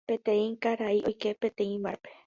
Peteĩ karai oike peteĩ bar-pe.